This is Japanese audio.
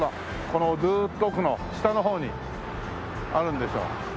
このずーっと奥の下のほうにあるんでしょう。